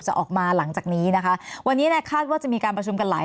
ออกมาหลังจากนี้นะคะวันนี้เนี่ยคาดว่าจะมีการประชุมกันหลาย